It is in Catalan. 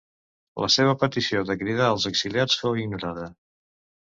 La seva petició de cridar als exiliats fou ignorada.